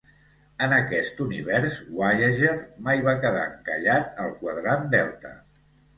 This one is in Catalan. En aquest univers, "Voyager" mai va quedar encallat al Quadrant Delta.